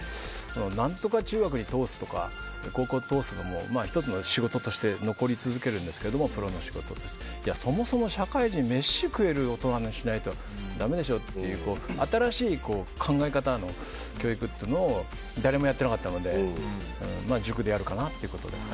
何とか中学に通すとか高校に通すのも１つのプロの仕事として残り続けるんですけどそもそも社会人メシが食える大人にしないとだめでしょという新しい考え方の教育を誰もやっていなかったので塾でやるかなということで。